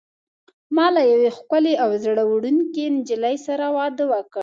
ما له یوې ښکلي او زړه وړونکي نجلۍ سره واده وکړ.